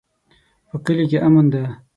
په کلي کې امن ده